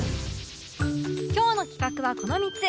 今日の企画はこの３つ